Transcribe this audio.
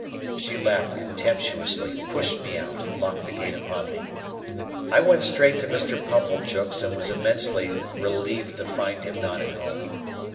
She laughed contemptuously, pushed me out, and locked the gate upon me. I went straight to Mr. Pumblechook's, and was immensely relieved to find him not at home.